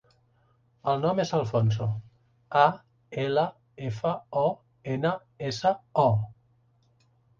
El nom és Alfonso: a, ela, efa, o, ena, essa, o.